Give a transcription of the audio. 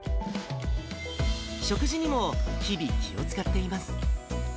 食事にも日々、気を遣っています。